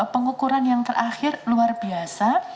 pengukuran yang terakhir luar biasa